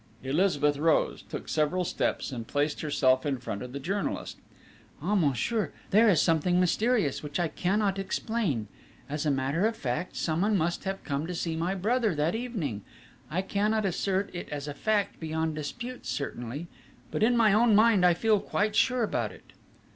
Elizabeth rose, took several steps, and placed herself in front of the journalist: "Ah, monsieur, there is something mysterious, which I cannot explain! As a matter of fact, someone must have come to see my brother that evening: I cannot assert it as a fact beyond dispute certainly: but in my own mind I feel quite sure about it."